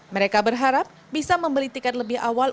mereka berharap bisa membeli tiket lebih awal